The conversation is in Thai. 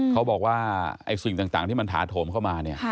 เขาบอกว่าสิ่งต่างที่มันถาโถมเข้ามาเนี่ย